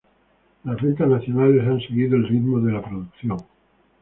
Las ventas nacionales han seguido el ritmo de la producción.